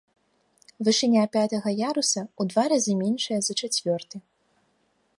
Вышыня пятага яруса ў два разы меншая за чацвёрты.